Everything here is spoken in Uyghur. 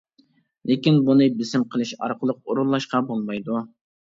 لېكىن بۇنى بېسىم قىلىش ئارقىلىق ئورۇنلاشقا بولمايدۇ.